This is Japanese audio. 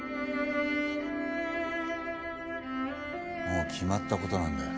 もう決まった事なんだよ。